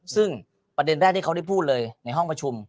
ซึ่งประเด็นแรกที่เขาได้พูดเลยในห้องประชุม